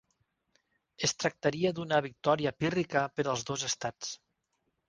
Es tractaria d'una victòria pírrica per als dos estats.